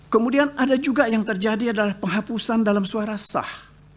kemudian ada juga yang terjadi adalah penghapusan dalam suara sah